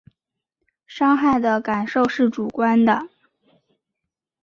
伤害的感受是主观的